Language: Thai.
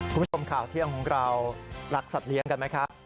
คุณผู้ชมข่าวเที่ยงของเรารักสัตว์เลี้ยงกันไหมครับ